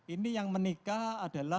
ini yang menikah adalah